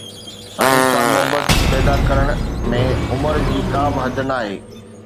science سان محبت پيدا ڪرڻ ۾ عمر جي ڪا به حد ناهي